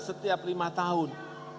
setiap lima tahun